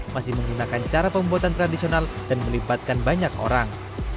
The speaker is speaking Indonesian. masih menggunakan cara pembuatan tradisional dan melibatkan banyak orang